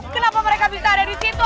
kenapa mereka bisa ada di situ